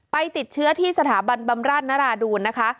ไปติดเชื้อที่สถาบันบำราชนราดูนนะคะ